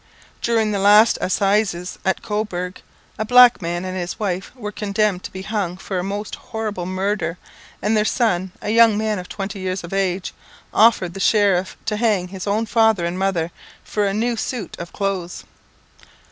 During the last assizes at Cobourg, a black man and his wife were condemned to be hung for a most horrible murder, and their son, a young man of twenty years of age, offered the sheriff to hang his own father and mother for a new suit of clothes.